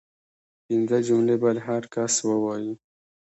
پنځه جملې باید هر کس ووايي